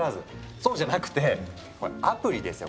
そうじゃなくてアプリですよ